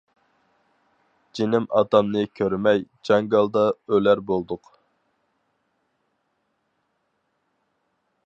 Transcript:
جېنىم ئاتامنى كۆرمەي، جاڭگالدا ئۆلەر بولدۇق.